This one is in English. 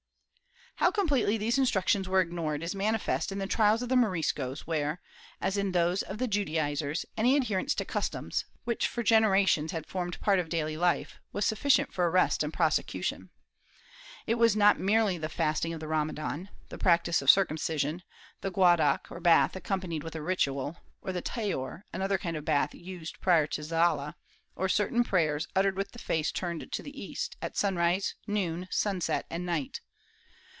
^ How completely these instructions were ignored is manifest in the trials of the Moriscos where, as in those of the Judaizers, any adherence to customs, which for generations had formed part of daily life, was sufficient for arrest and prosecution. It was not merely the fasting of the Ramadan, the practice of circumcision, the Guadoc or bath accompanied with a ritual, or the Taor, another kind of bath used prior to the Zala, or certain prayers uttered with the face turned to the East, at sunrise, noon, sunset and night.